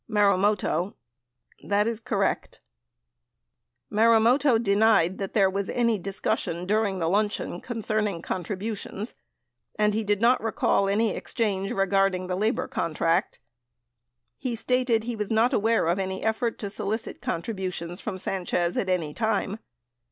Marumoto. That is correct. 91 Marumoto denied that there was any discussion during the luncheon concerning contributions and did not recall any exchange regarding the labor contract. He stated he was not aware of an effort to solicit contributions from Sanchez at any time.